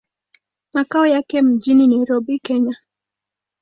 Makao yake mjini Nairobi, Kenya.